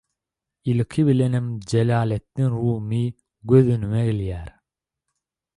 Ilki bilenem Jelaletdin Rumy göz öňüme gelýär.